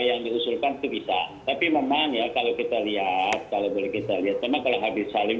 yang diusulkan bisa tapi memang ya kalau kita lihat kalau kita lihat sama kalian habis saling